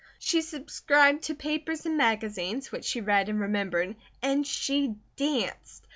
She subscribed to papers and magazines, which she read and remembered. And she danced!